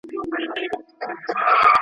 له سړي څخه یې پیل کړلې پوښتني.